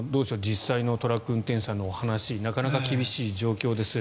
実際のトラック運転手さんのお話なかなか厳しい状況です。